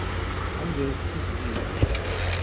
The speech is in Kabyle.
Ḥadret seg tzizwa.